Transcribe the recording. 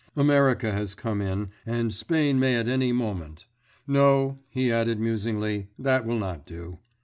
America has come in, and Spain may at any moment. No," he added musingly, "that will not do.